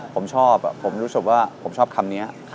ผมชอบผมรู้สึกว่าผมชอบคำนี้